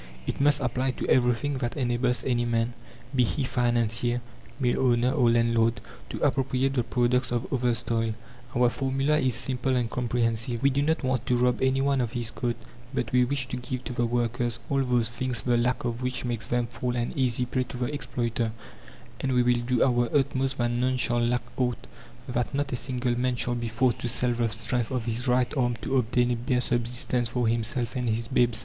It must apply to everything that enables any man be he financier, mill owner, or landlord to appropriate the product of others' toil. Our formula is simple and comprehensive. We do not want to rob any one of his coat, but we wish to give to the workers all those things the lack of which makes them fall an easy prey to the exploiter, and we will do our utmost that none shall lack aught, that not a single man shall be forced to sell the strength of his right arm to obtain a bare subsistence for himself and his babes.